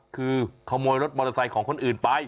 คือขโมยรถมอเตอร์ไซค์ของคนอื่นไป